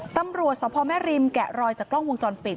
ตำรวจสพแม่ริมแกะรอยจากกล้องวงจรปิด